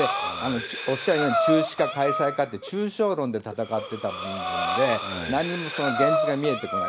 おっしゃるように中止か開催かって、抽象論で戦ってた部分で、何も現実が見えてこない。